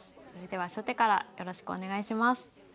それでは初手からよろしくお願いします。